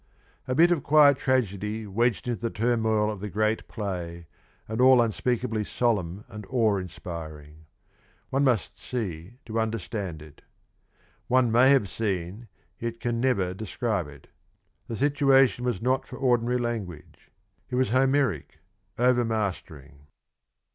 A bit of quiet tragedy wedged into the turmoil of the great play, and all unspeakably solemn and awe inspiring. One must see to understand it. One may have seen yet can never describe it. The situation was not for ordinary language; it was Homeric, over mastering.